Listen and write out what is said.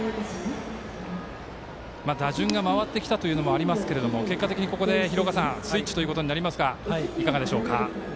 打順が回ってきたというのもありますけれども結果的に廣岡さんスイッチとなりますがいかがでしょうか？